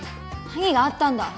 何があったんだ？